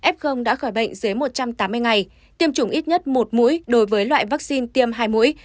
f đã khỏi bệnh dưới một trăm tám mươi ngày tiêm chủng ít nhất một mũi đối với loại vaccine tiêm hai mũi